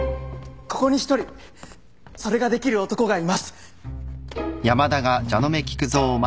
ここに一人それができる男がいます。